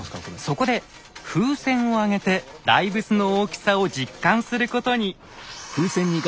そこで風船を上げて大仏の大きさを実感することに。